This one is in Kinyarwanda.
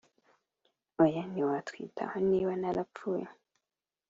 oya ntiwakwitaho niba narapfuye.